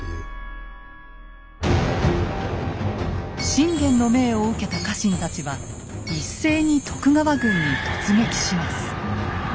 信玄の命を受けた家臣たちは一斉に徳川軍に突撃します。